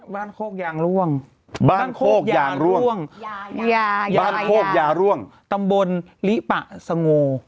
โคกยางร่วงบ้านโคกยางร่วงบ้านโคกยาร่วงตำบลลิปะสโง